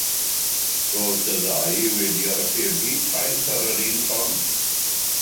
Roed dy ddau wedi archebu taith ar yr un llong.